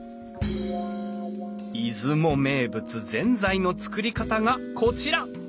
出雲名物ぜんざいの作り方がこちら！